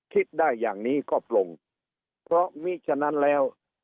คิดได้อย่างนี้ก็ปลงเพราะมิฉะนั้นแล้ว